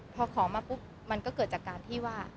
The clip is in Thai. พอของมาปุ๊บมันก็เกิดจากการที่ว่า